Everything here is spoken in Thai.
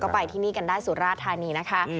ไปที่นี่กันได้สุราธานีนะคะ